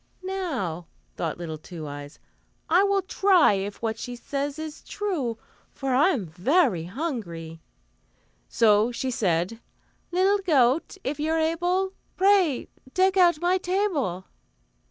"Now," thought little Two Eyes, "I will try if what she says is true, for I am very hungry," so she said: "Little goat, if you're able, Pray deck out my table."